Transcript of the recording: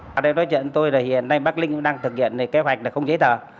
nói chuyện với tôi là hiện nay bác linh cũng đang thực hiện kế hoạch là không giấy tờ